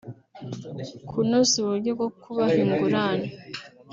kunoza uburyo bwo kubaha ingurane